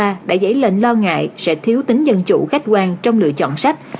sách giáo khoa đã giấy lệnh lo ngại sẽ thiếu tính dân chủ khách quan trong lựa chọn sách